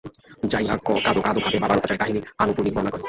যাইয়া কঁদো কাদো ভাবে বাবার অত্যাচারের কাহিনী আনুপূর্বিক বর্ণনা করে।